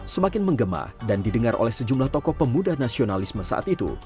semakin menggema dan didengar oleh sejumlah tokoh pemuda nasionalisme saat itu